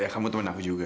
kamu teman aku juga